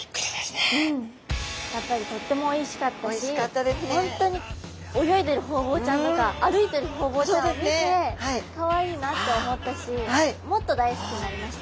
やっぱりとってもおいしかったし本当に泳いでるホウボウちゃんとか歩いてるホウボウちゃんを見てかわいいなって思ったしもっと大好きになりました。